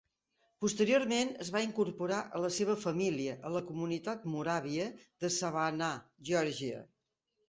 Posteriorment es va incorporar a la seva família a la comunitat moràvia de Savannah, Geòrgia.